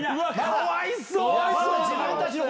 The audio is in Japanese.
かわいそう！